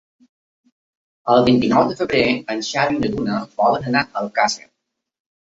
El vint-i-nou de febrer en Xavi i na Duna volen anar a Alcàsser.